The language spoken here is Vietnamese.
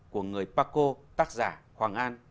của người paco tác giả hoàng an